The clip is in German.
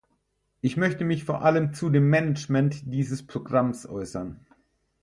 Ich möchte mich vor allem zu dem Management dieses Programms äußern.